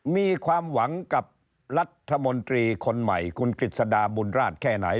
มีความหวังกับรัฐมนตรีคนใหม่คุณกฤษฎาบุญราชแค่ไหน